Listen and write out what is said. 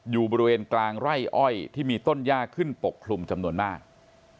อยู่บริเวณกลางไร่อ้อยที่มีต้นย่าขึ้นปกคลุมจำนวนมาก